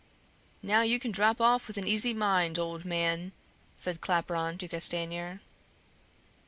"Now you can drop off with an easy mind, old man," said Claparon to Castanier.